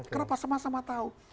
kenapa sama sama tahu